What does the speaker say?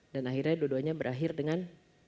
dan akhirnya dua duanya berakhir dengan